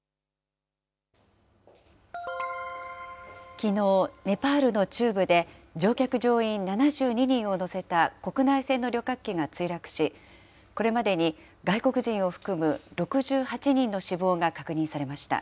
きのう、ネパールの中部で、乗客・乗員７２人を乗せた国内線の旅客機が墜落し、これまでに外国人を含む６８人の死亡が確認されました。